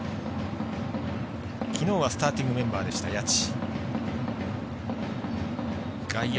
きのうはスターティングメンバーでした谷内。